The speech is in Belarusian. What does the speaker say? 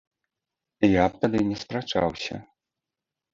Я б тады не спрачаўся.